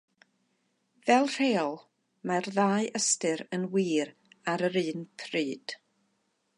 Fel rheol mae'r ddau ystyr yn wir ar yr un pryd.